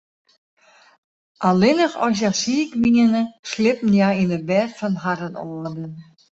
Allinnich as hja siik wiene, sliepten hja yn it bêd fan harren âlden.